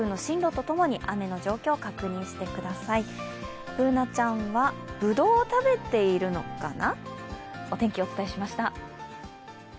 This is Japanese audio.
Ｂｏｏｎａちゃんはぶどうを食べているのかな？